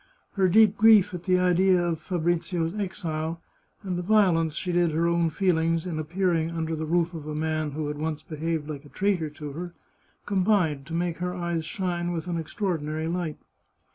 Her deep grief at the idea of Fabrizio's exile and the violence she did her own feelings in appearing under the roof of a man who had once behaved like a traitor to her, combined to make her eyes shine with an extraordinary light.